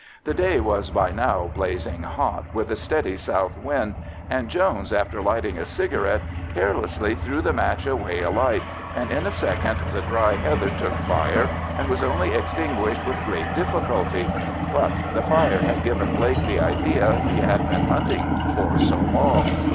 The day was by now blazing hot, with a steady south wind, and Jones, after lighting a cigarette, carelessly threw the match away alight, and in a second the dry heather took fire, and was only extinguished with great difficulty. But the fire had given Blake the idea he had been hunting for so long.